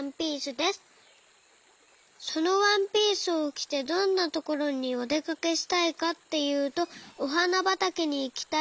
そのワンピースをきてどんなところにおでかけしたいかっていうとおはなばたけにいきたいです。